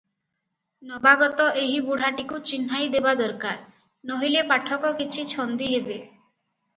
ନବାଗତ ଏହି ବୁଢ଼ାଟିକୁ ଚିହ୍ନାଇଦେବା ଦରକାର, ନୋହିଲେ ପାଠକ କିଛି ଛନ୍ଦି ହେବେ ।